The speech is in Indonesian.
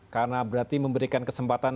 karena berarti memberikan kesempatan